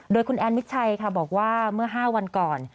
โดยคุณแอนมิดชัยค่ะบอกว่าเมื่อ๕วันก่อน